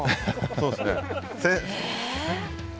そうですね。え！？